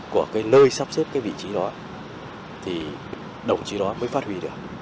của nơi sắp xếp vị trí đó thì đồng chí đó mới phát huy được